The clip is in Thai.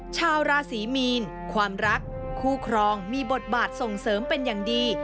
ชาวราศีมีนความรักคู่ครองมีบทบาทส่งเสริมเป็นอย่างดี